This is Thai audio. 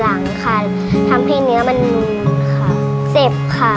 ทำให้เนื้อมันเจ็บค่ะ